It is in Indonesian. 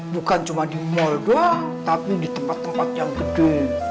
bukan cuma di mall doang tapi di tempat tempat yang gede